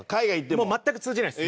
もう全く通じないです。